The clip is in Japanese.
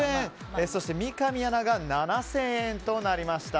そして三上アナが７０００円となりました。